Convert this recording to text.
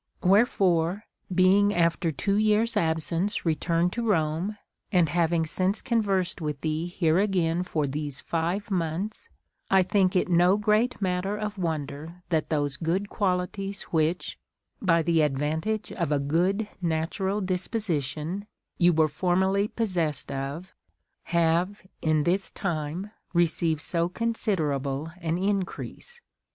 Wherefore, being after two years' absence returned to Rome, and having since conversed with thee here again for these five months, 1 think it no great matter of wonder tnat those good qualities which, by the advantage of a good natural disposition, von were formerly possessed of 34: CONCERNING THE CURE OF ANGER. have in this time received so considerable an increase.